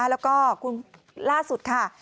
แล้วก็คุณล่าสุดค่ะ